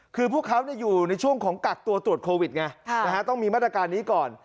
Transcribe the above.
คือพวกเขาอยู่ในช่วงของกักตัวตรวจโควิดไงต้องมีมาตรการนี้ก่อน